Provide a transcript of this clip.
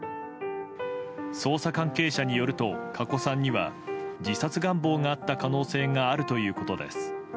捜査関係者によると加古さんには自殺願望があった可能性があるということです。